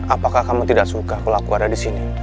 apakah kamu tidak suka kalau aku ada disini